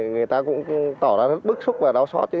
người ta cũng tỏ ra rất bức xúc và đau xót